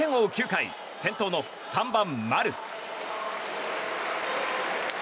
９回先頭の３番、丸。